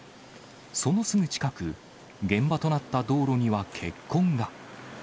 そのすぐ近く、現場となった道路には血痕が。